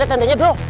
ada tandanya bro